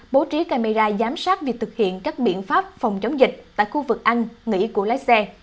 bố trí camera giám sát việc thực hiện các biện pháp phòng chống dịch tại khu vực ăn nghỉ của lái xe